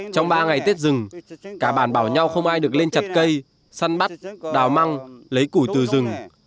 trong ba ngày tết rừng cả bản bảo nhau không ai được lên chặt cây săn bắt đào măng lấy củi từ rừng